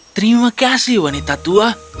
terima kasih wanita tua